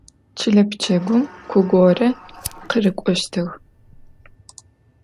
Çıle pçegum ku gore khırık'oştığ.